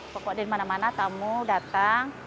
pokoknya dari mana mana tamu datang